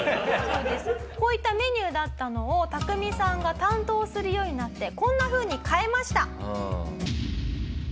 こういったメニューだったのをタクミさんが担当するようになってこんなふうに変えました。